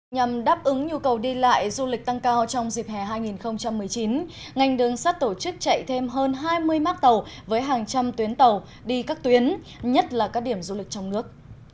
nhằm đáp ứng nhu cầu đi lại du lịch tăng cao trong dịp hè hai nghìn một mươi chín ngành đường sắt tổ chức chạy thêm hơn hai mươi mác tàu với hàng trăm tuyến tàu đi các tuyến nhất là các điểm du lịch trong nước